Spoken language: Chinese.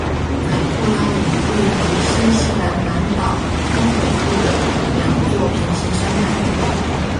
凯库拉岭位于新西兰南岛东北部的两座平行山脉。